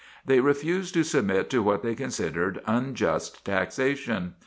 They refused to submit to what they considered unjust taxation.